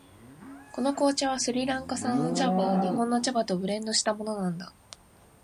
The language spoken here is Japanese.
この紅茶はスリランカ産の茶葉を日本の茶葉とブレンドしたものなんだ。